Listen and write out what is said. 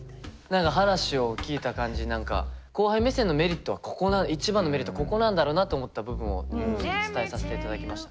何か話を聞いた感じ何か後輩目線のメリットはここ一番のメリットはここなんだろうなと思った部分を伝えさせていただきましたね。